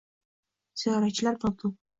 Ziyoratchilar mamnun